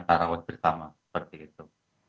kita rawat bersama seperti itu